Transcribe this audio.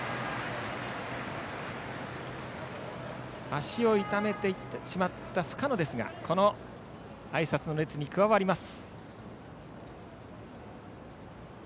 足を痛めてしまった深野ですがこのあいさつの列に加わります。